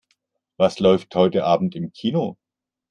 Was läuft heute Abend im Kino?